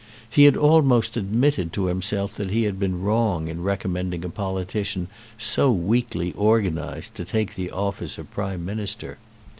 He had almost admitted to himself that he had been wrong in recommending a politician so weakly organised to take the office of Prime Minister.